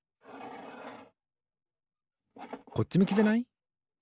こっちむきじゃない？